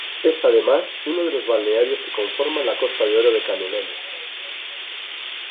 Es además uno de los balnearios que conforman la Costa de Oro de Canelones.